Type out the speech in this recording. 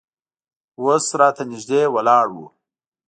اوس راته نږدې ولاړ و.